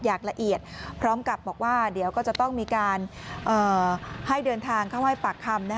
อย่างละเอียดพร้อมกับบอกว่าเดี๋ยวก็จะต้องมีการให้เดินทางเข้าให้ปากคำ